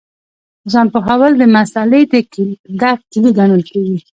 ځان پوهول د مسألې د درک کیلي ګڼل کېږي.